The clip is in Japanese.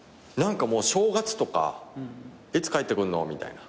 正月とか「いつ帰ってくんの？」みたいな。